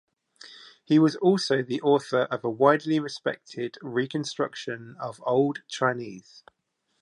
He was also the author of a widely respected reconstruction of Old Chinese.